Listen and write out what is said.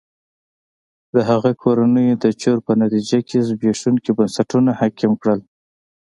د هغه کورنۍ د چور په نتیجه کې زبېښونکي بنسټونه حاکم کړل.